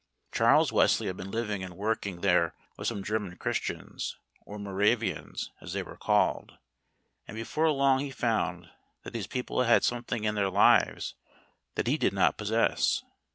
Charles Wesley had been living and working there with some German Christians, or Moravians, as they were called, and before long he found that these people had something in their lives that he did not possess.